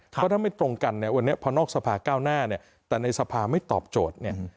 เพราะถ้าไม่ตรงกันเนี่ยวันนี้พอนอกสภาก้าวหน้าเนี่ยแต่ในสภาไม่ตอบโจทย์เนี่ย